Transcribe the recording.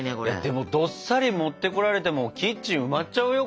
でもどっさり持ってこられてもキッチン埋まっちゃうよ